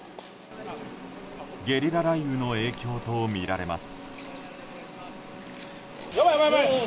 ゲリラ雷雨の影響とみられます。